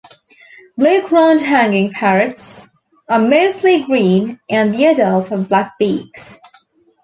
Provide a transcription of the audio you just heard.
Blue-crowned hanging parrots are mostly green and the adults have black beaks.